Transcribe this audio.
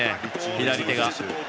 左手が。